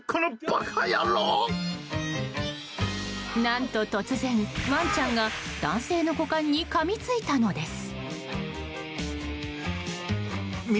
何と突然、ワンちゃんが男性の股間にかみついたのです。